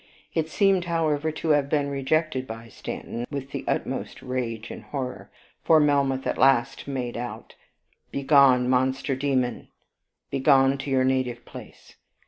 It seemed, however, to have been rejected by Stanton with the utmost rage and horror, for Melmoth at last made out, "Begone, monster, demon! begone to your native place.